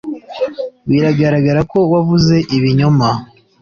biragaragara ko wavuze ibinyoma